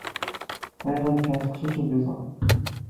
Bɣiɣ ad ččeɣ seksu s ubiṣaṛ.